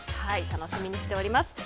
楽しみにしております。